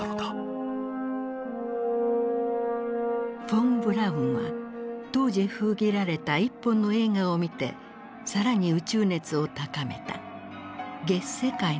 フォン・ブラウンは当時封切られた一本の映画を見て更に宇宙熱を高めた。